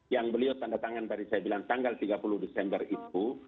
yang beliau tanda tangan tadi saya bilang tanggal tiga puluh desember itu